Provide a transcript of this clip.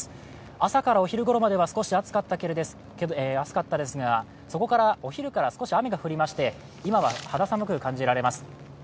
朝からお昼ごろまでは暑かったですが、お昼から少し雨が降りまして今は肌寒く感じられます。